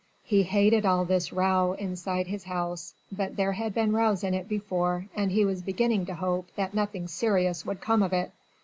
He hated all this row inside his house, but there had been rows in it before and he was beginning to hope that nothing serious would come of it.